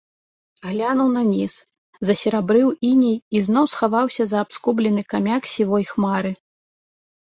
Глянуў на ніз, засерабрыў іней і зноў схаваўся за абскубены камяк сівой хмары.